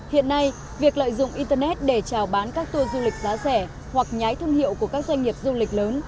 hiện nay việc lợi dụng internet để trào bán các tour du lịch giá rẻ hoặc nhái thương hiệu của các doanh nghiệp du lịch lớn